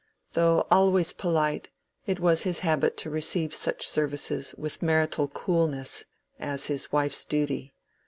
Though always polite, it was his habit to receive such services with marital coolness, as his wife's duty.